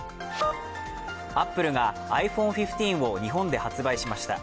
アップルがｉＰｈｏｎｅ１５を日本で発売しました。